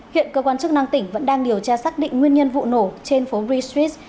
hiện cơ quan chức năng tỉnh vẫn đang điều tra xác định nguyên nhân vụ nổ trên phố brig street